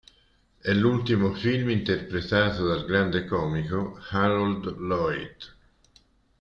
È l'ultimo film interpretato dal grande comico Harold Lloyd.